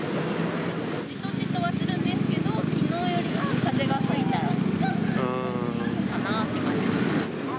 じとじとはするんですけど、きのうよりは風が吹いてて涼しいかなって感じがします。